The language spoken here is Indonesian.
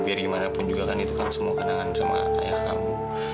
biar gimana pun juga kan ditukar semua kenangan sama ayah kamu